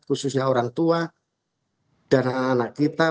khususnya orang tua dan anak anak kita